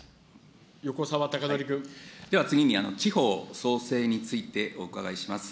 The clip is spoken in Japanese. では、次に地方創生についてお伺いします。